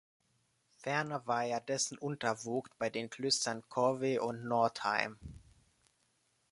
Ferner war er dessen Untervogt bei den Klöstern Corvey und Northeim.